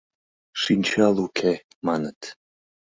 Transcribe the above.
Шинчал уке, маныт...